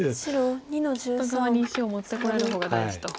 外側に石を持ってこれる方が大事と。